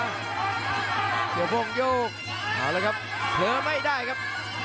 เดี๋ยวพ่งโยกเอาละครับเผลอไม่ได้ครับ